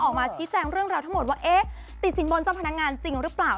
ออกมาชี้แจงเรื่องราวทั้งหมดว่าเอ๊ะติดสินบนเจ้าพนักงานจริงหรือเปล่า